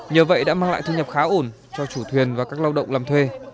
nhờ vậy đã mang lại thu nhập khá ổn cho chủ thuyền và các lao động làm thuê